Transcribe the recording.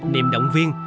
niềm động viên